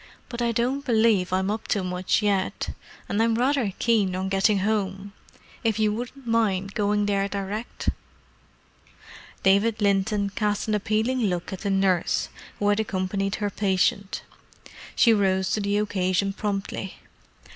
"But I don't believe I'm up to much yet—and I'm rather keen on getting home. If you wouldn't mind going there direct." David Linton cast an appealing look at the nurse, who had accompanied her patient. She rose to the occasion promptly.